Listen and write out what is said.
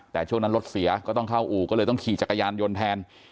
แต่ช่วงนั้นรถเสียก็ต้องเข้าอู่ก็เลยต้องขี่จักรยานยนต์แทน